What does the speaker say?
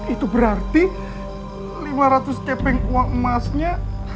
itu berarti lima ratus tepeng uang emasnya